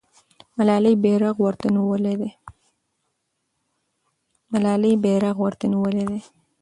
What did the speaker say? ملالۍ بیرغ ورته نیولی دی.